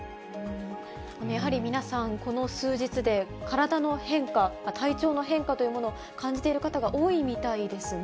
やはり皆さん、この数日で体の変化、体調の変化というものを感じている方が多いみたいですね。